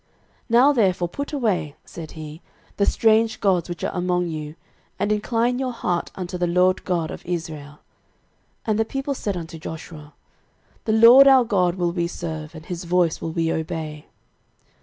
06:024:023 Now therefore put away, said he, the strange gods which are among you, and incline your heart unto the LORD God of Israel. 06:024:024 And the people said unto Joshua, The LORD our God will we serve, and his voice will we obey.